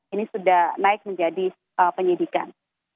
ini sudah naik menjadi penyidikan